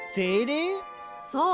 そう。